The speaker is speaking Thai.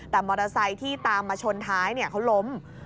แต่มอเตอร์ไซค์ที่ตามมาชนท้ายเขาล้ม